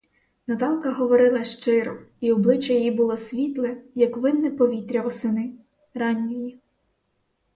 Наталка говорила щиро, і обличчя її було світле, як винне повітря восени — ранньої.